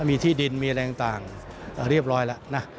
มีที่ดินมีอะไรต่างเรียบร้อยแล้วนะ